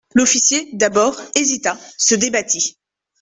L'officier, d'abord, hésita, se débattit.